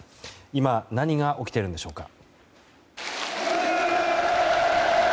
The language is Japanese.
今、何が起きているんでしょうか。